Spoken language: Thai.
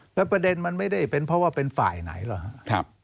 แล้วประเด็นมันไม่ได้เป็นเพราะว่าเป็นฝ่ายไหนหรอกครับ